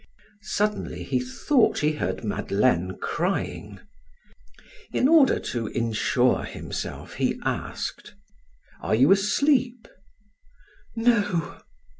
Suddenly he thought he heard Madeleine crying. In order to insure himself he asked: "Are you asleep?" "No."